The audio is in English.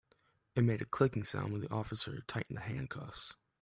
It made a clicking sound when the officer tightened the handcuffs.